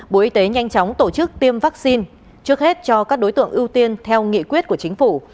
bộ y tế nhanh chóng tổ chức tiêm vaccine trước hết cho các đối tượng ưu tiên theo nghị quyết của chính phủ